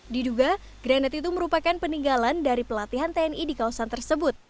diduga granat itu merupakan peninggalan dari pelatihan tni di kawasan tersebut